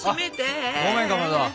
ごめんかまど。